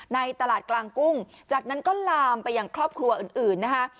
ในตลาดกลางกุ้งจากนั้นก็ลามไปอย่างครอบครัวอื่นนะคะ